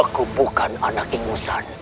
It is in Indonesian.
aku bukan anak ingusan